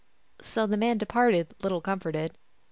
" So the man departed, little comforted.